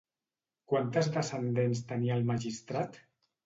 Quantes descendents tenia el magistrat?